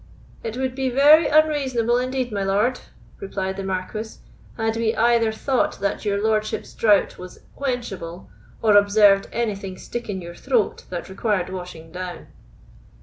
"It would be very unreasonable indeed, my lord," replied the Marquis, "had we either thought that your lordship's drought was quenchable, or observed anything stick in your throat that required washing down."